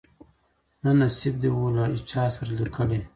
نه نصیب دي وو له چا سره لیکلی